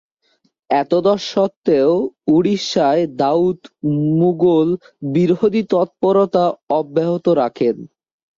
এতদসত্ত্বেও উড়িষ্যায় দাউদ মুগল-বিরোধী তৎপরতা অব্যাহত রাখেন।